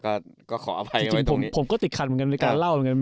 ก็ก็ขอเอาไปไปตรงนี้จริงจริงผมผมก็ติดขัดเหมือนกันในการเล่าเหมือนกัน